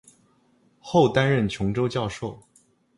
后担任琼州教授。